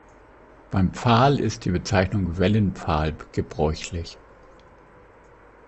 Beim Pfahl ist die Bezeichnung Wellenpfahl gebräuchlich.